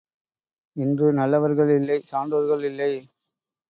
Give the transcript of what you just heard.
இன்று நல்லவர்கள் இல்லை, சான்றோர்கள் இல்லை!